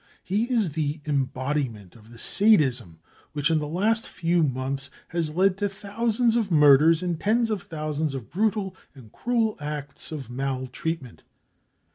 He is the embodiment of the sadism which in the last few months has led to thousands of murders and tens of thousands of brutal and cruel acts of maltreatment.